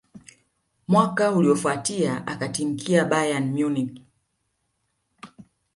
Mwaka uliyofuatia akatimkia Bayern Munich